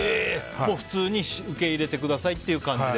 もう普通に受け入れてくださいっていうはい。